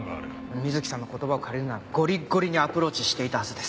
水木さんの言葉を借りるならゴリッゴリにアプローチしていたはずです。